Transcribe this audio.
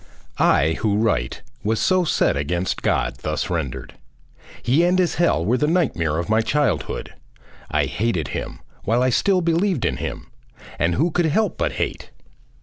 I, who write, was so set against God, thus rendered. He and his Hell were the nightmare of my childhood; I hated him while I still believed in him, and who could help but hate?